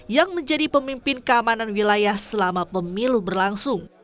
yang menjadi pemimpin keamanan wilayah selama pemilu berlangsung